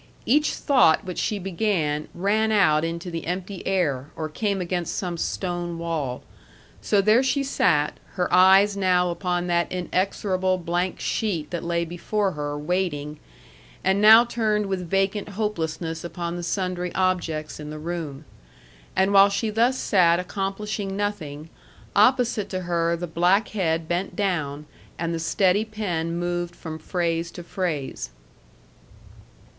Each thought which she began ran out into the empty air, or came against some stone wall. So there she sat, her eyes now upon that inexorable blank sheet that lay before her, waiting, and now turned with vacant hopelessness upon the sundry objects in the room. And while she thus sat accomplishing nothing, opposite to her the black head bent down, and the steady pen moved from phrase to phrase.